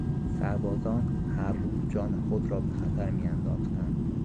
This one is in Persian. سربازان هر روز جان خود را به خطر میانداختند.